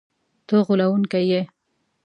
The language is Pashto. ته غولونکی یې!”